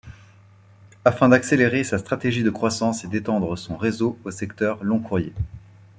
Afin d’accélérer sa stratégie de croissance et d'étendre son réseau au secteur long-courrier.